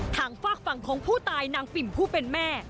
ฝากฝั่งของผู้ตายนางปิ่มผู้เป็นแม่